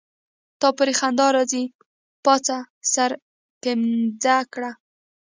تا پوری خندا راځي پاڅه سر ګمنځ کړه.